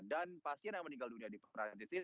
dan pasien yang meninggal dunia di perancis ini